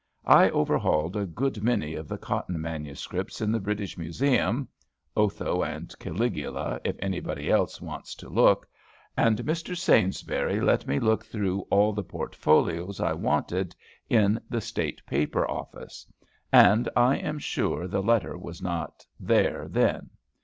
I overhauled a good many of the Cotton manuscripts in the British Museum (Otho and Caligula, if anybody else wants to look), and Mr. Sainsbury let me look through all the portfolios I wanted in the State Paper Office, and I am sure the letter was not there then.